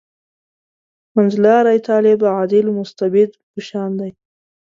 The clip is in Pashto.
منځلاری طالب «عادل مستبد» په شان دی.